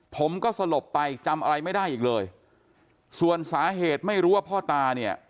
ผมก็สลบไปจำอะไรไม่ได้อีกเลยส่วนสาเหตุไม่รู้ว่าพ่อตาเนี่ย